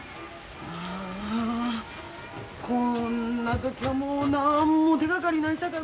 ああこんな時はもう何も手がかりないさかい